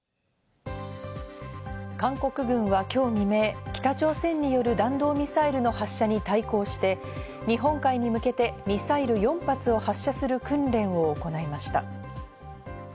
韓国軍は今日未明、北朝鮮による弾道ミサイルの発射に対抗して日本海に向けてミサイル４発を発射する訓練を行いました。